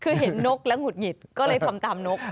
คือเห็นนกแล้วหงุดหงิดก็เลยทำตามนก